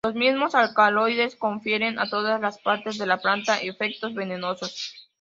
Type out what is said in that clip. Los mismos alcaloides confieren a todas las partes de la planta efectos venenosos.